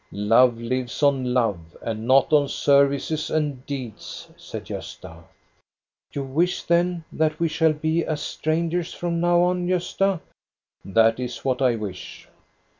Love lives on love, and not on services and deeds," said Gosta. " You wish, then, that we shall be as strangers from now on, Gosta? "" That is what I wish."